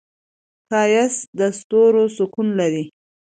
ښایست د ستورو سکون لري